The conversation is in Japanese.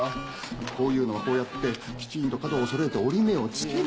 こういうのはこうやってきちんと角を揃えて折り目をつける。